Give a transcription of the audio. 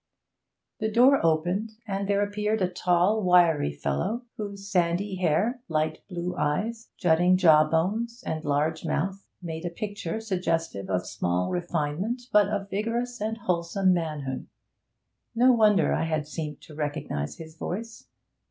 The door opened, and there appeared a tall, wiry fellow, whose sandy hair, light blue eyes, jutting jawbones, and large mouth made a picture suggestive of small refinement but of vigorous and wholesome manhood. No wonder I had seemed to recognise his voice.